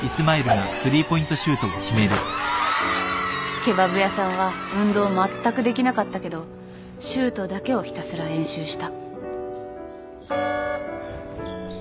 ケバブ屋さんは運動まったくできなかったけどシュートだけをひたすら練習した。